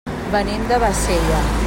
Venim de Bassella.